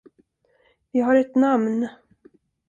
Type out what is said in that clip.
Vi har ett namn.